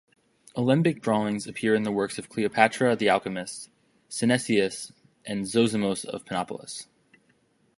Alembic drawings appear in works of Cleopatra the Alchemist, Synesius, and Zosimos of Panopolis.